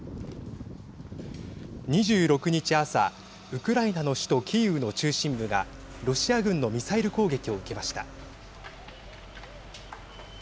２６日、朝ウクライナの首都キーウの中心部がロシア軍のミサイル攻撃を受けました。